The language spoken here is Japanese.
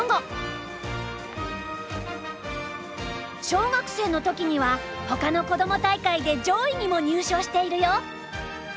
小学生の時にはほかのこども大会で上位にも入賞しているよ。